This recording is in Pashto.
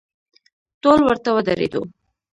ټول ورته ودریدو.